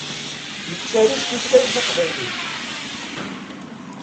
Yettaru s tutlayt taqbaylit.